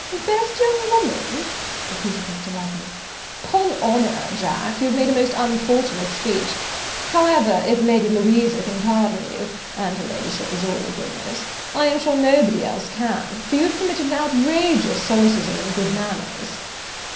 "Best young woman!" repeated Mr. Lovel; "'pon honour, Jack, you have made a most unfortunate speech; however, if Lady Louisa can pardon you, and her Ladyship is all goodness, I am sure nobody else can; for you have committed an outrageous solecism in good manners."